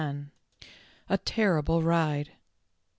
A TERRIBLE RIDE.